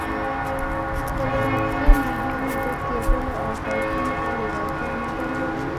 تر هغه مهاله ده کېبلو او پایپونو ته لېوالتیا نه در لوده